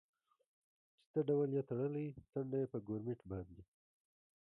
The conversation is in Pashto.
چې څه ډول یې تړلی، څنډه یې په ګورمېټ باندې.